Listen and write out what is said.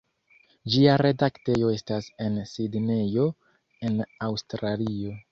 Ĝia redaktejo estas en Sidnejo, en Aŭstralio.